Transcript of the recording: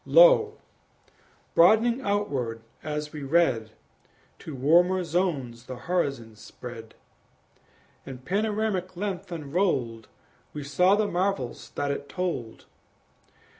Lo! broadening outward as we read, To warmer zones the horizon spread; In panoramic length unrolled We saw the marvels that it told.